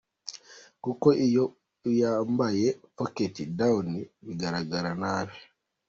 Kuko iyo uyambaye pocket down bigaragara nabi ;.